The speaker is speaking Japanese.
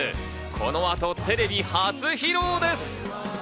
この後テレビ初披露です。